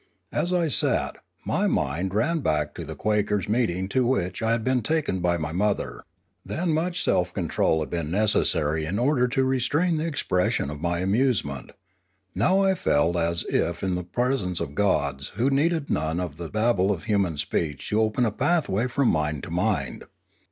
As I sat, my mind ran back to a Quakers' meeting to which I had been taken by my mother; then much self control had been necessary in order to re strain the expression of my amusement; now I felt as if in the presence of gods who needed none of the bab ble of human speech to open a pathway from mind to mind.